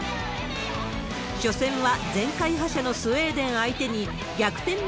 初戦は前回覇者のスウェーデン相手に逆転